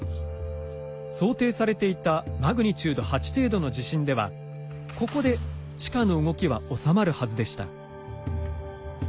想定されていたマグニチュード８程度の地震ではここで地下の動きは収まるはずでした。